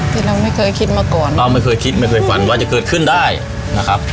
ที่เราไม่เคยคิดมาก่อนเราไม่เคยคิดไม่เคยฝันว่าจะเกิดขึ้นได้นะครับ